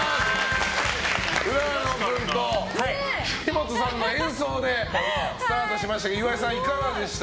浦野君と岸本さんの演奏でスタートしましたけど岩井さん、いかがでした？